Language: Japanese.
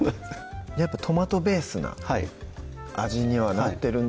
やっぱトマトベースな味にはなってるんですけど